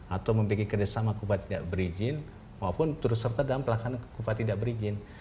atau memiliki kerjasama kufat tidak berizin maupun turut serta dalam pelaksanaan kupat tidak berizin